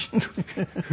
フフフフ。